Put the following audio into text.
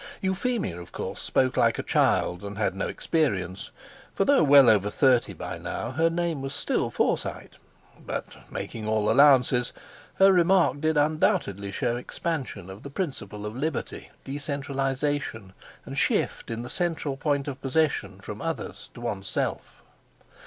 Euphemia, of course, spoke like a child, and had no experience; for though well over thirty by now, her name was still Forsyte. But, making all allowances, her remark did undoubtedly show expansion of the principle of liberty, decentralisation and shift in the central point of possession from others to oneself.